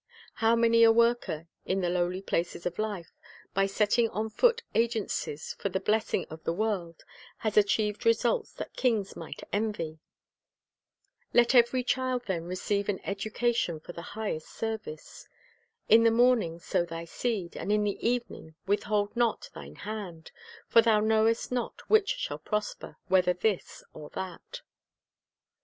How many a worker in the lowly places of life, by setting on foot agencies for the blessing of the world, has achieved results that kings might envy ! Let every child, then, receive an education for the 1 1 Sam. 16 : 6, ;, io. The Life Work 267 highest service. "In the morning sow thy seed, and in the evening" withhold not thine hand; for thou knowest not which shall prosper, whether this or that."